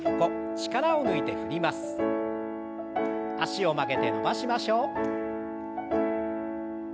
脚を曲げて伸ばしましょう。